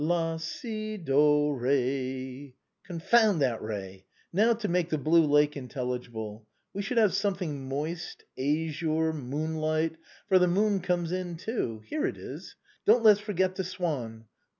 La, si, do, re. Confound that re ! Now to make the blue lake intelligible. We should have something moist, azure, moonlight — for the moon comes in too; here it is; don't let's forget the swan.